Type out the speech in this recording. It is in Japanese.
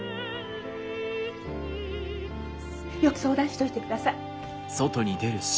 よく相談しといてください。